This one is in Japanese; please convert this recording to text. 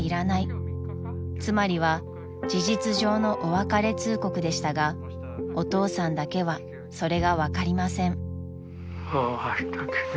［つまりは事実上のお別れ通告でしたがお父さんだけはそれが分かりません］